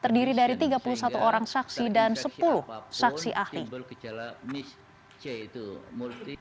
terdiri dari tiga puluh satu orang saksi dan sepuluh saksi ahli